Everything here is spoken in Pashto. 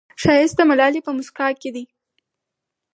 ښایست د ملالې په موسکا کې دی